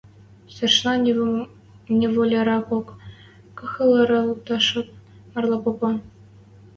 Старшина неволяракок кахыралтышат, марла попа: